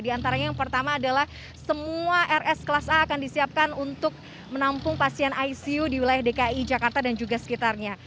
di antaranya yang pertama adalah semua rs kelas a akan disiapkan untuk menampung pasien icu di wilayah dki jakarta dan juga sekitarnya